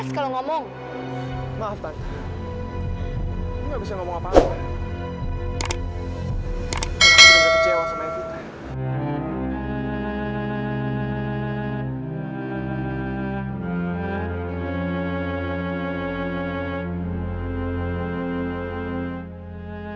semua itu nggak benar